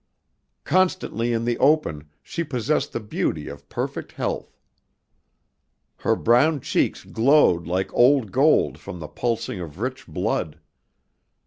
Constantly in the open she possessed the beauty of perfect health. Her brown cheeks glowed like old gold from the pulsing of rich blood.